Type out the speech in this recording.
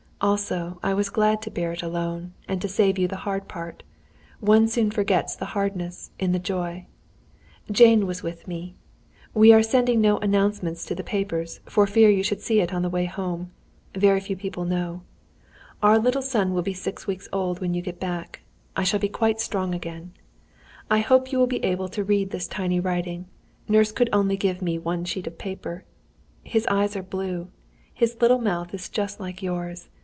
Also I was glad to bear it alone, and to save you the hard part. One soon forgets the hardness, in the joy. "Jane was with me. "We are sending no announcement to the papers, for fear you should see it on the way home. Very few people know. "Our little son will be six weeks old, when you get back. I shall be quite strong again. "I hope you will be able to read this tiny writing. Nurse would only give me one sheet of paper! "His eyes are blue. His little mouth is just like yours.